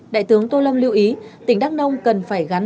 đại tướng tô lâm lưu ý tỉnh đắk nông cần phải gắn